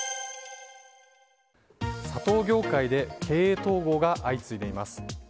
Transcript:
砂糖業界で経営統合が相次いでいます。